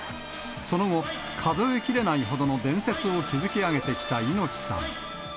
その後、数えきれないほどの伝説を築き上げてきた猪木さん。